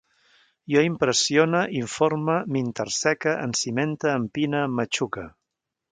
Jo impressione, informe, m'interseque, encimente, empine, emmatxuque